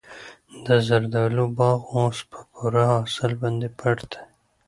د زردالو باغ اوس په پوره حاصل باندې پټ دی.